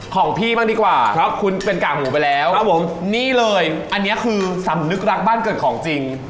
ของพี่บ้างดีกว่าเพราะคุณเป็นกากหมูไปแล้วครับผมนี่เลยอันนี้คือสำนึกรักบ้านเกิดของจริง